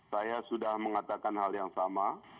saya sudah mengatakan hal yang sama